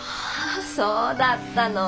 そうだったの。